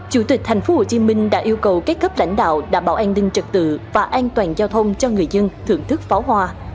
chủ tịch tp hcm đã yêu cầu các cấp lãnh đạo đảm bảo an ninh trật tự và an toàn giao thông cho người dân thưởng thức pháo hoa